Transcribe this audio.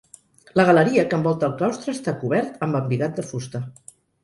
La galeria que envolta el claustre està cobert amb embigat de fusta.